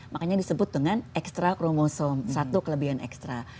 makanya disebut dengan extra kromosom satu kelebihan ekstra